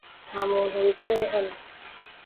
Nta muntu wicaye hano